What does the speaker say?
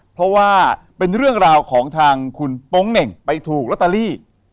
เพราะว่าเป็นเรื่องราวของทางคุณโป๊งเหน่งไปถูกลอตเตอรี่